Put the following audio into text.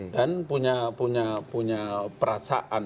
dan punya perasaan